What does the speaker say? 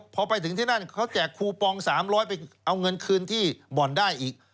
พอไปถึงที่นั่นเขาแจกคูปอง๓๐๐ไปเอาเงินคืนที่บ่อนได้อีก